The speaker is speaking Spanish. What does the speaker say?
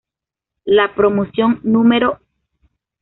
La Promoción Nro.